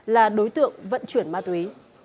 là đối tượng vận chuyển ma túy